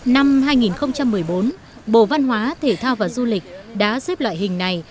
năm hai nghìn một mươi bốn bộ văn hóa thể thao và du lịch đã xếp loại hình này